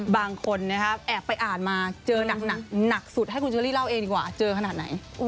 บางคนนะครับแอบไปอ่านมาเจอหนักสุดให้คุณเชอรี่เล่าเองดีกว่าเจอขนาดไหน